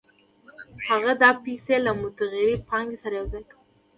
هغه دا پیسې له متغیرې پانګې سره یوځای کوي